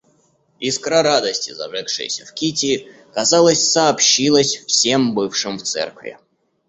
Искра радости, зажегшаяся в Кити, казалось, сообщилась всем бывшим в церкви.